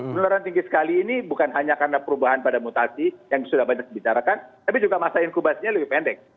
penularan tinggi sekali ini bukan hanya karena perubahan pada mutasi yang sudah banyak dibicarakan tapi juga masa inkubasinya lebih pendek